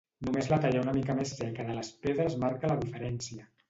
Només la talla una mica més seca de les pedres marca la diferència.